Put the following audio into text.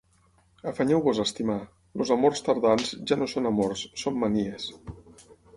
Afanyeu-vos a estimar. Els amors tardans ja no són amors: són manies.